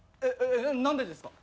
何でですか？